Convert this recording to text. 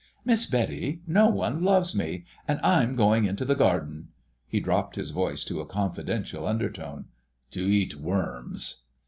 "Miss Betty, no one loves me, and I'm going into the garden"—he dropped his voice to a confidential undertone—"to eat worms."